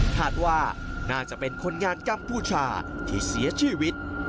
คาดว่าน่าจะเป็นคนงานกัมพูชาที่เสียชีวิต